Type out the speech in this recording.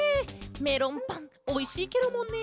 メロンパンおいしいケロもんね！